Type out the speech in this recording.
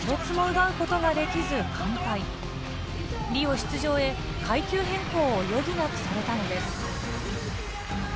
出場へ階級変更を余儀なくされたのです。